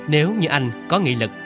nếu như anh có nghị lực